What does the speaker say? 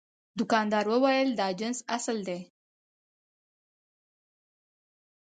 دوکاندار وویل دا جنس اصل دی.